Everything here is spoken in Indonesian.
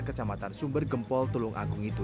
kecamatan sumber gempol tulung agung itu